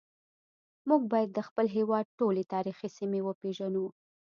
موږ باید د خپل هیواد ټولې تاریخي سیمې وپیژنو